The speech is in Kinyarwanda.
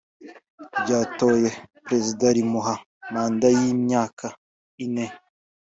ryatoye perezida rimuha manda y imyaka ine